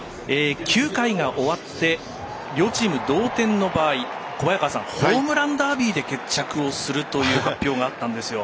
９回が終わって両チーム同点の場合ホームランダービーで決着をするという発表があったんですよ。